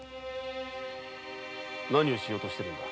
何をしようとしているのだ？